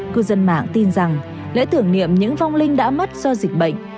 cư dân mạng tin rằng lễ tưởng niệm những vong linh đã mất do dịch bệnh